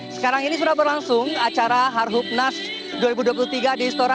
sekarang ini sudah berlangsung acara harhubnas dua ribu dua puluh tiga di istora